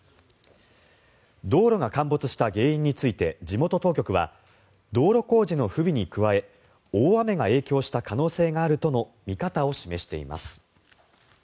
道路が陥没した原因について地元当局は道路工事の不備に加え大雨が影響した可能性があるとの見方を示しています。